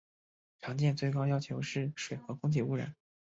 常见的最高要求是水和空气污染。